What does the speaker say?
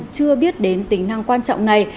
chưa biết đến tính năng quan trọng này